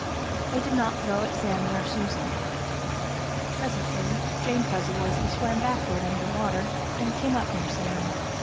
They did not throw at Sammie or Susie. Presently Jane Fuzzy Wuzzy swam backward under water and came up near Sammie.